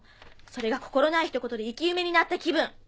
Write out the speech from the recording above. それが心ないひと言で生き埋めになった気分！